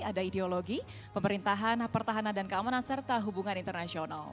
ada ideologi pemerintahan pertahanan dan keamanan serta hubungan internasional